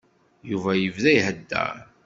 Yuba yebda iheddeṛ.